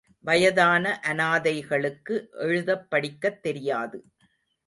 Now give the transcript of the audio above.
வயதான அனாதைகளுக்கு எழுதப் படிக்கத் தெரியாது.